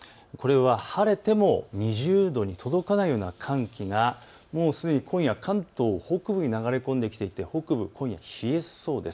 晴れても２０度に届かないような寒気がもうすでに今夜、関東北部に流れ込んできて今夜、冷えそうです。